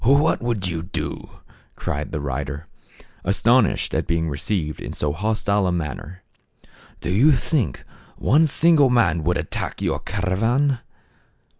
" What would you do ?" cried the rider, as tonished at being received in so hostile a manner. " Do you think one single man would attack your caravan